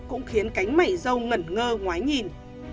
cũng khiến cánh mảy dâu ngẩn ngơ ngoái nhìn